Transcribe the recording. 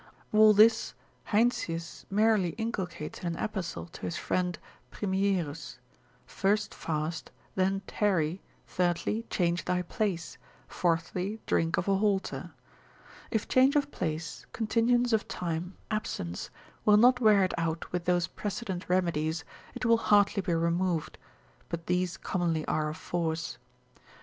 All this Heinsius merrily inculcates in an epistle to his friend Primierus; first fast, then tarry, thirdly, change thy place, fourthly, think of a halter. If change of place, continuance of time, absence, will not wear it out with those precedent remedies, it will hardly be removed: but these commonly are of force.